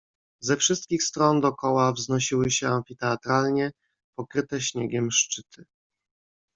"Ze wszystkich stron dokoła wznosiły się amfiteatralnie pokryte śniegiem szczyty."